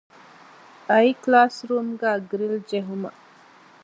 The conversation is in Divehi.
އައި ކްލާސްރޫމުގައި ގްރިލް ޖެހުމަށް